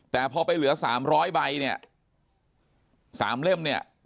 แต่พอไปเหลือ๓๐๐ใบเนี่ย๓เล่มเนี่ย